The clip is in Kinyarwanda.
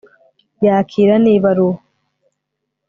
yakira n'ibaruwa